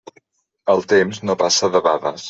El temps no passa debades.